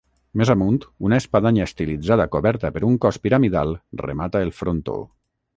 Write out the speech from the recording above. Més amunt, una espadanya estilitzada coberta per un cos piramidal remata el frontó.